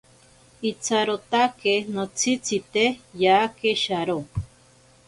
Itsarotake notsitzite yake sharo.